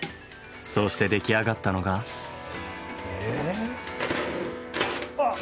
そうして出来上がったのが。え？あっ！